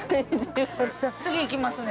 ◆次、行きますね。